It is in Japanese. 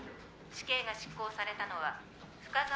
死刑が執行されたのは深澤。